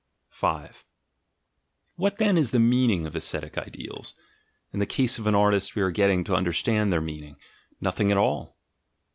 ... 5 WTiat, then, is the meaning of ascetic ideals? In the case of an artist we are getting to understand their mean ing: Nothing at all